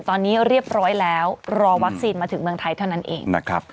ตอนนี้เรียบร้อยแล้วรอวัคซีนมาถึงเมืองไทยเท่านั้นเองนะครับ